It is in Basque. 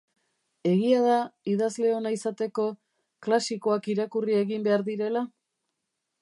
Egia da idazle ona izateko klasikoak irakurri egin behar direla?